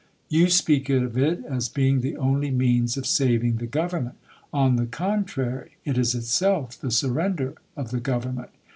You speak of it as being the only means of saving the Government. On the contrary, it is itself the surrender of the Government.